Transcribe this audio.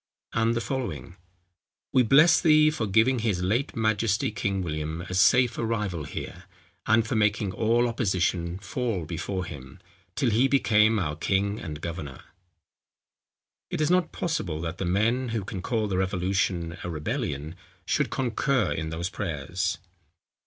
And the following, "We bless thee for giving his late majesty King William a safe arrival here, and for making all opposition fall before him, till he became our king and governor." It is not possible that the men, who can call the revolution a rebellion, should concur in those prayers.